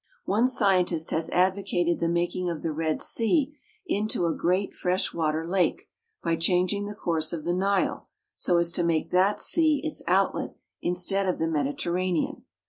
One scientist has advocated the making of the Red Sea into a great fresh water lake by changing the course of the Nile so as to make that sea its outlet instead of the Mediterranean.